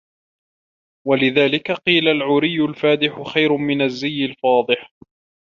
وَلِذَلِكَ قِيلَ الْعُرْيُ الْفَادِحُ خَيْرٌ مِنْ الزِّيِّ الْفَاضِحِ